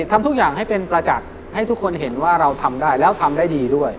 ทำทุกอย่างให้เป็นประจักษ์ให้ทุกคนเห็นว่าเราทำได้แล้วทำได้ดีด้วย